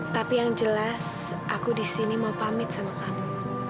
tapi yang jelas aku disini mau pamit sama kamu